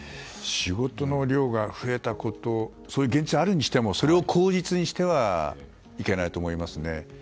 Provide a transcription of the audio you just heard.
仕事の量が増えたことそういう現実があるにしてもそれを口実にしてはいけないと思います。